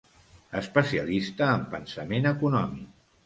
Especialista en pensament econòmic.